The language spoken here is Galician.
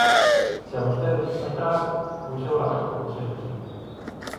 Se a vostedes lles fai graza, pois eu lamento que sexa así.